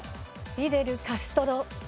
フィデル・カストロ。